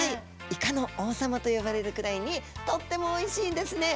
イカの王様と呼ばれるくらいにとってもおいしいんですね！